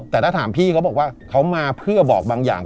แต่ถ้าถามพี่เขาบอกว่าเขามาเพื่อบอกบางอย่าง